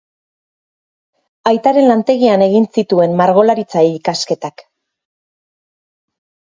Aitaren lantegian egin zituen margolaritza-ikasketak.